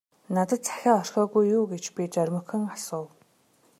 - Надад захиа орхиогүй юу гэж би зоримогхон асуув.